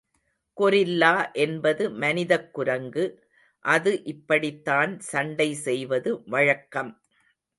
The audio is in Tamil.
கொரில்லா என்பது மனிதக் குரங்கு, அது இப்படித்தான் சண்டை செய்வது வழக்கம்.